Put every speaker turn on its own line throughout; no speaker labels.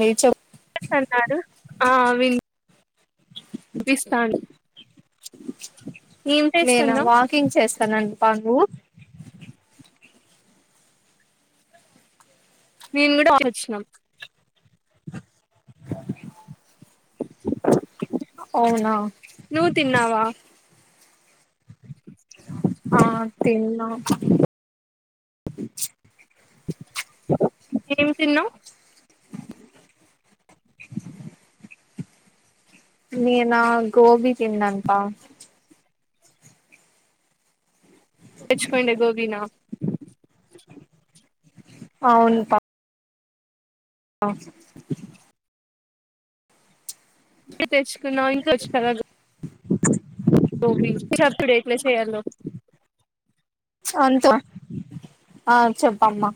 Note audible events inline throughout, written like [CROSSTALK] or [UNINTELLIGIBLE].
లేదు చెప్పు
అన్నారు ఆ వినిపిస్తాను ఏం
నేను
చేస్తున్నాం
వాకింగ్ చేస్తానండి బా నువ్వు
- [UNINTELLIGIBLE] నేను కూడా ఆలోచన
అవునా
నువ్వు తిన్నావా
ఆ తిన్న [INAUDIBLE]
ఏమి తిన్నావు
నేనా గోబి తిన్నాంత
తెచ్చకండే గోబీనా
అవును పా ఆ చెప్
ఆన్ని తెచ్ కున్నావు ఇంకొచ్ కదా మాక్ తెలీదు అప్పుడు ఎట్ల చేయాలో
చా అంతో ఆ చెప్పమ్మా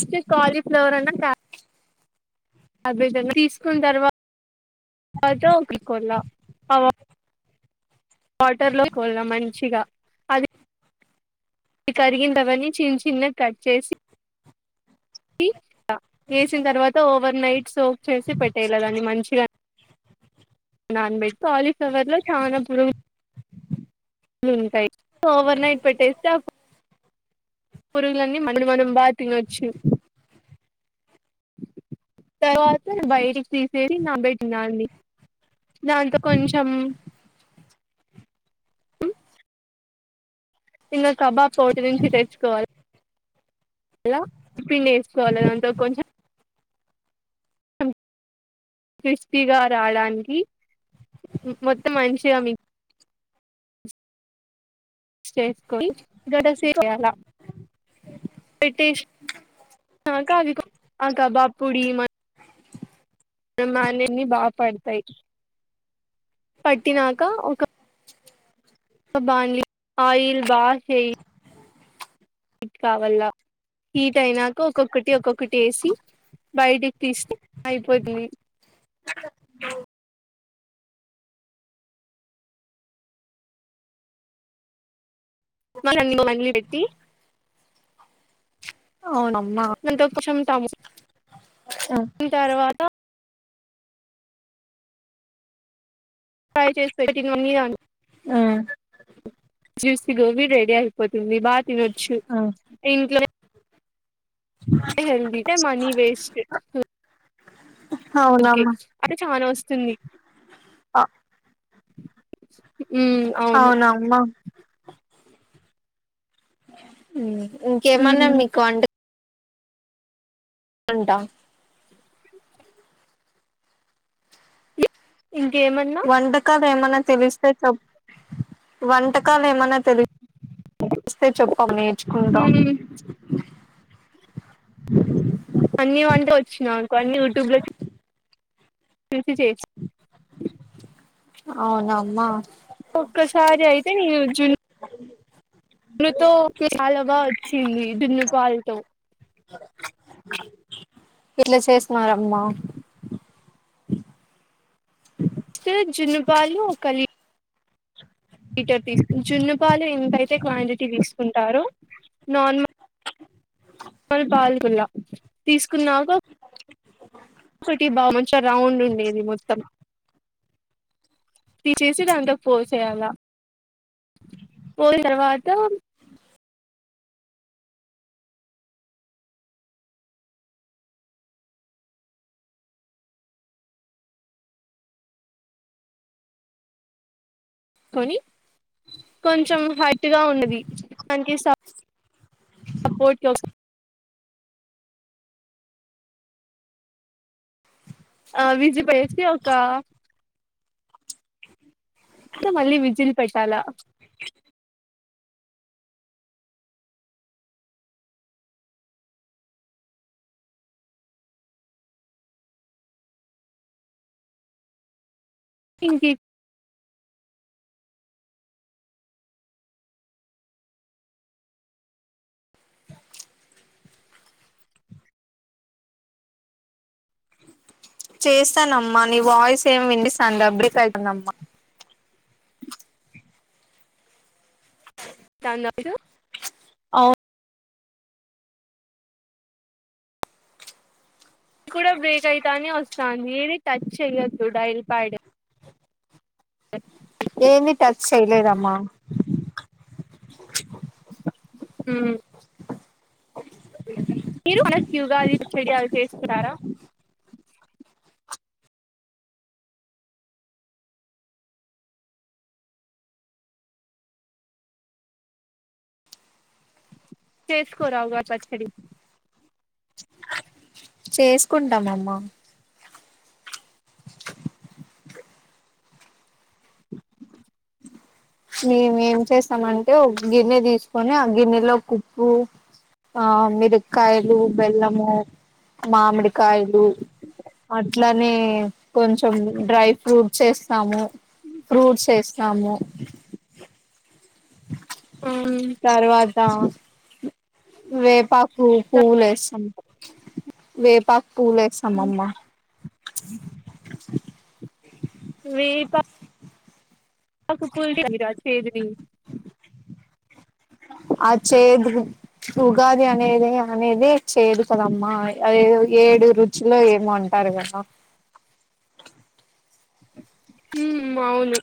ఉంటే కాలిఫ్లవరన్నా త్యా తీసుకున్న తర్వాత ఒకరి ఒకటి కొన్నా వాటర్ లో పోయినా మంచిగా అది అవి కడిగిండవన్ని చిన్న చిన్నగా కట్ చేసి వేసిన తర్వాత ఓవర్నైట్ సోప్ చేసి పెట్టేయలా దాన్ని మంచిగా నానాబెట్టి కాలీఫ్లవర్లో చాలా పురుగు ఉంటాయి సో ఓవర్నైట్ పెట్టేస్తే ఆ పురుగులన్నీ అప్పుడు మనం బాగ్ తినొచ్చు తర్వాత బయటికి తీసేది నానబెట్టిన దాని దాంట్లో కొంచెం ఇంగ కబాబ్ పౌడర్ ఉంటే తెచ్చుకోవాలి అలా పిండేస్కోవాలి దాంతో కొంచెం [UNINTELLIGIBLE] క్రిస్పీగా రావడానికి మొ మొత్తం మంచిగా మి క్స్ చేసుకొని గడ్డ పెరుగేయాల పెట్టేసి నాంక, అవి కొ ఆ కబాబ్ పొడి మ గ్నేన్ని బాపడుతాయి పట్టినాంక ఒక బాండ్లీ ఆయిల్ బా చేయ్ హీట్ కావాల్ల హీట్ అయినాక ఒక్కొక్కటి ఒక్కొక్కటి వేసి బయటకి తీస్తే అయిపోతది. మళ్ళ [UNINTELLIGIBLE] పెట్టి
అవునమ్
అంత కుషుంటాము [UNINTELLIGIBLE] తర్వాత ప్రై చేసి పెట్టిన వన్నీ అను
ఆ
జ్యూసీ గోబి రెడి ఆయిపో తుంది బా తినొచ్చు
మ్మ్
ఇంట్లోనే హెల్దీతే మనీ వేస్ట్ హ్ ఊరికే
అవునమ్మా
అంటే చానా వస్తుంది
అ
హ్ ఉమ్ అవును
అవునమ్మా మ్మ్ హ్ ఇంకేమన్నా
ఉమ్
మీకు కాంట్ వంటా
ఇంకేమన్నా
వంటకాలేమన్న తెలిస్తే చెప్ వంటకాలు ఏమన్నా తెలుస్తే చెప్పమే నేర్చుకుంటా.
ఉమ్ అన్నీ వంటా వచ్చునాకు అన్ని యూట్యూబ్ లో చూ తెలుస్తే చేయ్
అవును అమ్మా
తే [UNINTELLIGIBLE] న్ను తో చాల బా వచ్చింది డున్నుపాలతో
ఎట్లాచేసినారమ్మా
జున్ను పాలు ఒకలి లీటర్ తీసుకు జున్ను పాలు ఎంతైతే క్వాంటిటీ తీసుకుంటారో నార్మ. ల్ పాల్కుొల తీసుకున్నాక ఒకటి బా మంచిగా రౌండ్ ఉండేది మొత్తం, తీసేసి దాంతో పో చేయాల పోయి తర్వాత. కొని కొంచెం హైట్ గా ఉన్నది దానికి స సపోర్ట్ కోస్ ఆ విజిప్ ఏసీ ఒక ఇంకా మళ్ళీ విజిల్ పెట్టాలా ఇంకి
చేస్తానమ్మా నీ వాయిస్ ఏమి విండిస్తాంది డబ్బ్రక్ అవుతుందమ్మా
టన్ నైట్
అవును
అది కూడ బ్రేక్ అయితాంది, వస్తాంది ఏది టచ్ చెయ్యొద్దు డైల్ పాడ్. ఎ
ఏంది టచ్ చేయలేదమ్మా
హు [UNINTELLIGIBLE] చెయ్యాలి చేస్తున్నారా చేస్కోరా ఉగాది పచ్చడి
చేసుకుంటాం అమ్మా మేం ఏం చేస్తామంటే ఒక గిన్నె తీసుకొని ఆ గిన్నెలోకి ఉప్పు ఆ మిరక్కాయలు బెల్లము మామిడికాయ డు అట్లా నే కొంచెం డ్రై ఫ్రూట్స్ ఏస్తాము ఫ్రూట్స్ ఏస్తాము తర్వాత వేపా వి పువ్వులేసం వేపా పువ్వేస్తాం అమ్మా
వేప పాకు కూల్ చేయదా చేదుని
అ చేదురు ఉగాది అనేది అనేదే చేదు కదమ్మా అదేదో ఏడు రుచిలో ఏమో అంటారు కదా
హుమ్మ్ అవును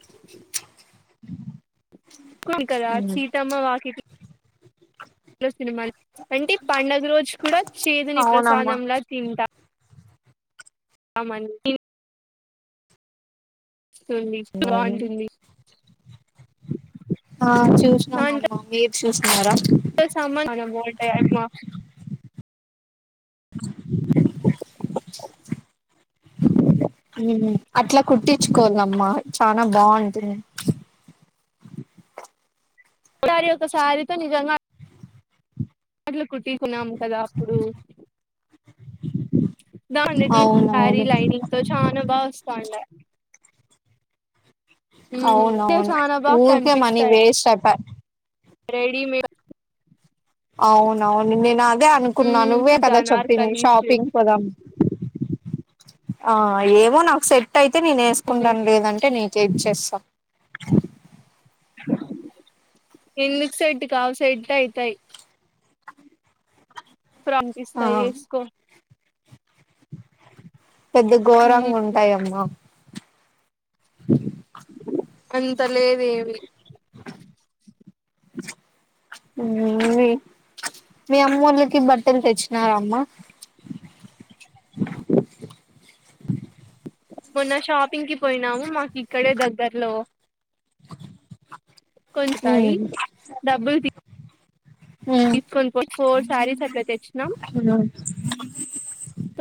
కుకద సీతమ్మ వాకి నస్ సినిమాలు అంటే పండుగ రోజు కూడా చేదుని
అవునమ్మా
ప్రసాదంలా తింటా అమ స బాగుంటుంది
ఆ చూసినాం అమ్మ మీరు చేసుకున్నారా
మనము
[UNINTELLIGIBLE] అట్లా కుట్టించుకోవాలమ్మా చాన బాగుంటుంది
ఒకసారి ఒకసారితో నిజంగా అట్ల కుట్టి కదా అప్పుడు దాని దగ్గర శారీ
అవునవును
లైనింగ్ తో చాన బాగా వస్తాండ
అవున అవును
చాలా బాగా
ఊరుకే మనీ వేస్ట్ అయిప
రెడి మేడ్
అవునువును నినా అదే అనుకున్నా నువ్వే
కొంచెం
కదా చెప్పింది
అనార్కలీస్
షాపింగ్ పోదాం ఆ ఏమో నాకు సెట్ అయితే నేను వేసుకుంటాను లేదంటే నీ చేే చేస్తాం
ఎందుకు సెట్ కావు సెట్ అయితాయి
ఆ
ఫంపిస్తాయి ఇకో
పెద్ద ఘోరంగా ఉంటాయమ్మా
అంతా లేదేమి
మీ అమ్మ వాళ్ళకి బట్టలు తెచ్చు నా అమ్మా
మొన్న షాపింగ్కిి పోయినాము మాకు ఇక్కడే దగ్గర్లో
[UNINTELLIGIBLE]
కొంచసాయి
ఉమ్
డబ్బులు తీ
ఉమ్
తీసుకొని పో ఫోర్ శారీస్ అట్ల తెచ్చినాం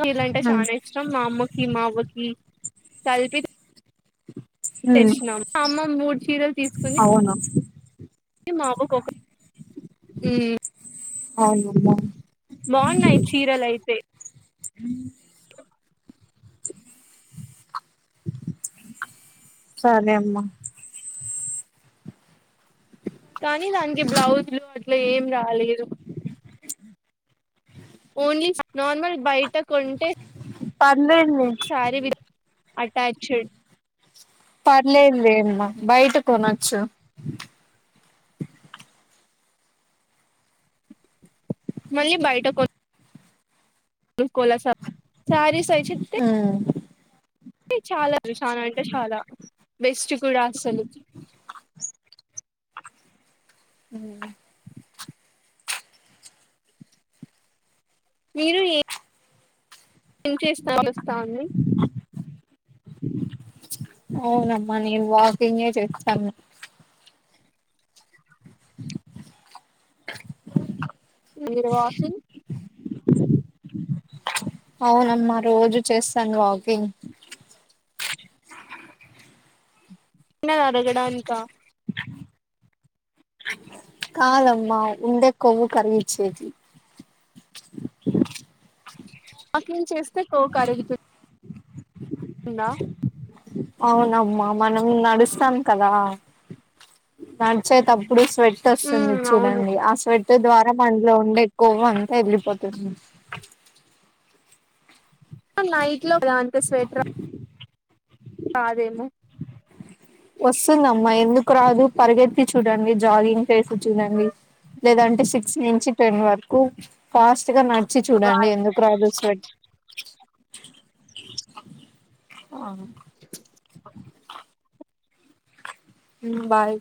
వీలంటే
ఉమ్
చాలా ఇష్టం మా అమ్మకి మా అవ్వకి చల్పి
[INAUDIBLE]
తెసిన అమ్మ మూడు చీరలు తీసుకుని
అవును
ఇ మావ ఒక ఈ
అవును మా
బాగున్నాయి చీరలు అయితే
అ సరే అమ్మా
కానీ దానికి బ్లౌజ్లు అట్లా ఏం రాలే ఇదు ఓన్లీ నార్మల్ బయట కొంటే
లేన్ వే
శారీ విత్ అటాచ్డ్
పర్లేదులేమ్మా బయట కొనచ్చు
మళ్ళీ బయట కొ నుకోవల సాప్ సారి సైచితే
ఉమ్
చాలా చాలా అంటే చాలా బెస్ట్ కూడా అసలు
ఉ
మీరు ఏ ఏం చేస్తా వస్తా అండి
అవునమ్మా నేను వాకింగ్ే చేస్తాను
మీరు వాకింగ్
అవునమ్మా రోజు చేస్తాను వాకింగ్
న్నది అరగడానికా
కాదమ్మ ఉండె కొవ్వు కరిగించేకి
వాకింగ్ చేస్తే కోవ్ కరుగుతుం దా
అవునమ్మా మనం నడుస్తాం కదా నడిచేతప్పుడు స్వెట్ వస్తుంది
ఉమ్ అవును
చూడండి ఆ స్వెట్ట ద్వారా రమండ్లో ఉండే కొవ్వు అంతా ఎగిరిపోతుంది
నైట్ లో కదా అంత స్వెట్ రా దేమో
వస్తుందమ్మా ఎందుకు రాదు పరిగెత్తి చూడండి జాగింగ్ చేసి చూడండి లేదంటే సిక్స్ నుంచి టెన్ వరకు ఫాస్ట్ ట్ గా నడిచి చూడండి ఎందుకు రాదు స్వే ఆ
ఆ
ఉహ్మ్ బాయ్